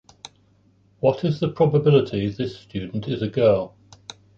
What is the probability this student is a girl?